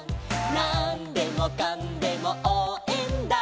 「なんでもかんでもおうえんだ」